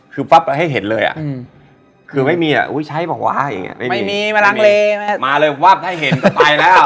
คือปั๊บให้เห็นเลยอะคือไม่มีอะอุ้ยใช่ปะวะไม่มีมาเลยวับให้เห็นก็ไปแล้ว